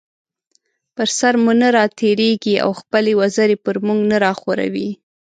پر سر مو نه راتېريږي او خپلې وزرې پر مونږ نه راخوروي